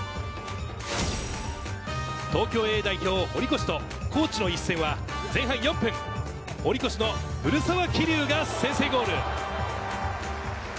東京Ａ代表・堀越と高知の一戦は前半４分、堀越の古澤希竜が先制ゴール。